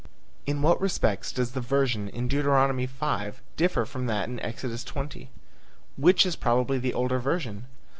In what respects does the version in Deuteronomy 5 differ from that in Exodus 20? (Hist. Bible I, 195.) Which is probably the older version?